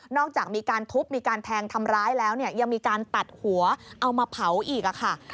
จากมีการทุบมีการแทงทำร้ายแล้วเนี่ยยังมีการตัดหัวเอามาเผาอีกค่ะ